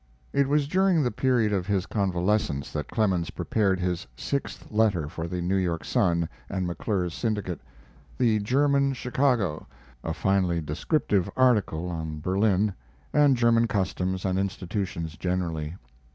It was during the period of his convalescence that Clemens prepared his sixth letter for the New York Sun and McClure's syndicate, "The German Chicago," a finely descriptive article on Berlin, and German customs and institutions generally.